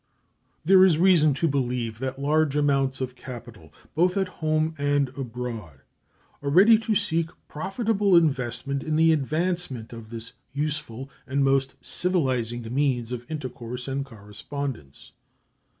There is reason to believe that large amounts of capital, both at home and abroad, are ready to seek profitable investment in the advancement of this useful and most civilizing means of intercourse and correspondence.